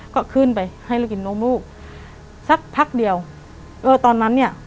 ก็ขึ้นไปให้เรากินนมลูกสักพักเดียวเออตอนนั้นเนี่ย